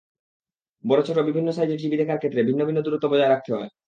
বড়-ছোট বিভিন্ন সাইজের টিভি দেখার ক্ষেত্রে ভিন্ন ভিন্ন দূরত্ব বজায় রাখতে হয়।